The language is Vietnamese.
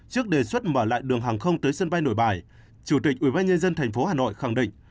trước đề xuất mở lại đường hàng không tới sân bay nội bài chủ tịch ubnd tp hà nội khẳng định